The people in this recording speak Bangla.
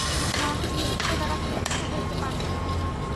মানুষ বিত্তদ্বারা তৃপ্ত হইতে পারে না।